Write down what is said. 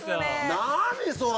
何それ！